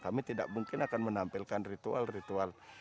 kami tidak mungkin akan menampilkan ritual ritual